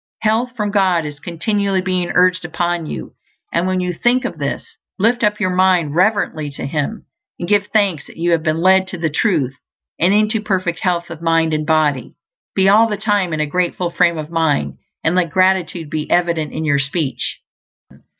Health from God is continually being urged upon you; and when you think of this, lift up your mind reverently to Him, and give thanks that you have been led to the Truth and into perfect health of mind and body. Be, all the time, in a grateful frame of mind, and let gratitude be evident in your speech.